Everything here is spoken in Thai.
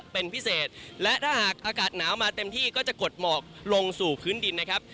เป็นพิเศษและถ้าหากอากาศหนาวมาเต็มที่ก็จะกดหมอกลงสู่พื้นดินนะครับ